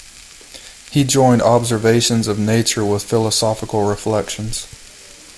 He joined observations of nature with philosophical reflections.